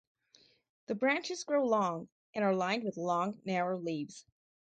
The branches grow long and are lined with long, narrow leaves.